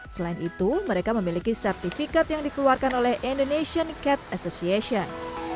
selain itu mereka memiliki sertifikat yang dikeluarkan oleh indonesian cat association